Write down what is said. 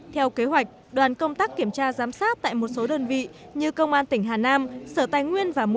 theo kế hoạch đoàn công tác kiểm tra giám sát tại một số đơn vị như công an tỉnh hà nam